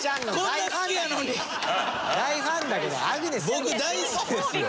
僕大好きですよ。